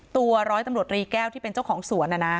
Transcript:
ตัวร้อยตำรวจรีแก้วที่เป็นเจ้าของสวนนะนะ